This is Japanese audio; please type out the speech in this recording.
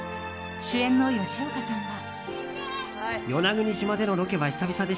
主演の吉岡さんは。